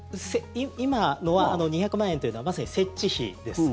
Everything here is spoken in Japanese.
今の２００万円というのはまさに設置費です。